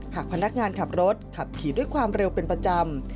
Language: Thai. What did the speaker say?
หากพนักงานขับรถขับขี่ด้วยความเร็วเป็นประจำ